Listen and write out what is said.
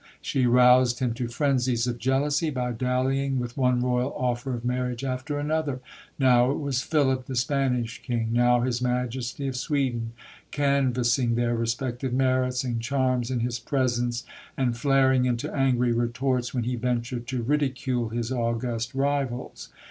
She roused him to frenzies of jealousy by dallying with one Royal offer of marriage after another now it was Philip, the Spanish King, now His Majesty of Sweden canvassing their respective merits and charms in his presence, and flaring into angry retorts when he ventured to ridicule his august rivals.